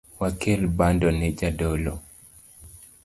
Wakel bando ne jadolo